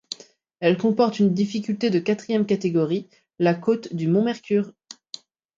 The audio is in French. Elle comporte une difficulté de quatrième catégorie, la côte du Mont-Mercure.